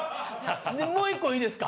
もう１個いいですか？